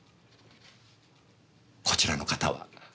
こちらの方は？